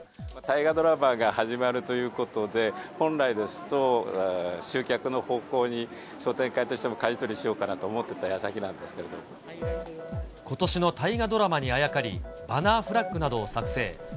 大河ドラマが始まるということで、本来ですと、集客の方向に、商店会としてもかじ取りしようかなと思っていたやさきなんですけことしの大河ドラマにあやかり、バナーフラッグなどを作成。